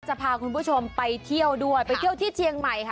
จะพาคุณผู้ชมไปเที่ยวด้วยไปเที่ยวที่เชียงใหม่ค่ะ